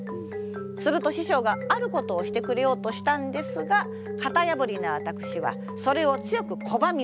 すると師匠があることをしてくれようとしたんですがかたやぶりな私はそれを強くこばみました。